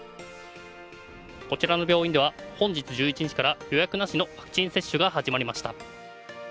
こちらの病院では本日１１時から予約なしのワクチン接種が始まりました。